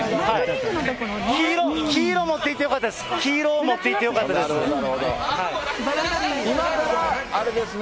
黄色、黄色持っていってよかったです、黄色を持っていってよかったです。